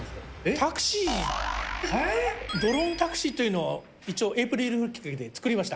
タクシー、ドローンタクシーというのを、一応、エイプリルフールで作りました。